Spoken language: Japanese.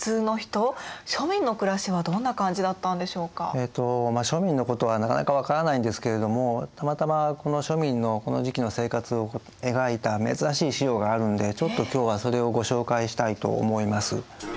えっとまあ庶民のことはなかなか分からないんですけれどもたまたまこの庶民のこの時期の生活を描いた珍しい資料があるんでちょっと今日はそれをご紹介したいと思います。